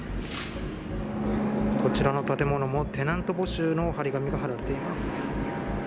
こちらの建物も、テナント募集の貼り紙が貼られています。